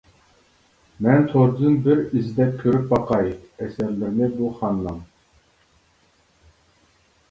مەن توردىن بىر ئىزدەپ كۆرۈپ باقاي ئەسەرلىرىنى بۇ خاننىڭ.